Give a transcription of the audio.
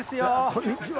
こんにちは。